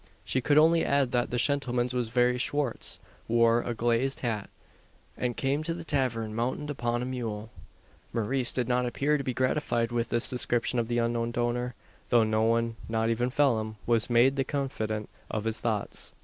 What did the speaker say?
She could only add that "the shentlemans" was very "Schwartz," wore a glazed hat, and came to the tavern mounted upon a mule. Maurice did not appear to be gratified with this description of the unknown donor; though no one not even Phelim was made the confidant of his thoughts.